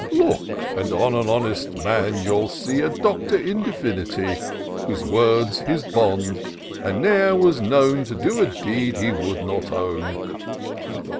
" Look, and an honest man you'll see, A Doctor in Divinity, Whose word's his bond ; nor e'er was known To do a deed he would not own."